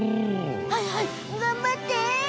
はいはいがんばって！